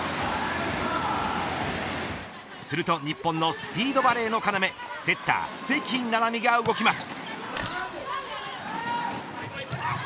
すると日本のスピードバレーの要セッター関菜々巳が動きます。